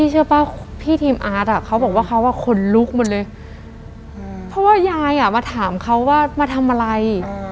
ใช่ใช่